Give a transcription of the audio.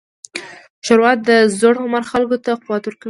ښوروا د زوړ عمر خلکو ته قوت ورکوي.